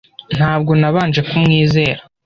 Ntabwo nabanje kumwizera.